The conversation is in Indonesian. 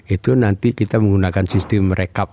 itu nanti kita menggunakan sistem rekap